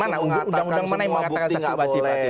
mana undang undang mana yang mengatakan saksi wajib hadir